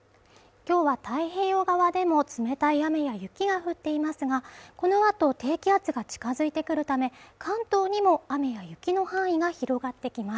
きょうは太平洋側でも冷たい雨や雪が降っていますがこのあと低気圧が近づいてくるため関東にも雨や雪の範囲が広がってきます